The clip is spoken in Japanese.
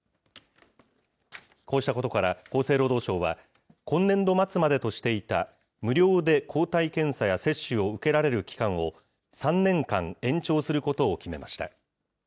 こうしたことから、厚生労働省は、今年度末までとしていた、無料で抗体検査や接種を受けられる期間を、３年間延長することを決めました。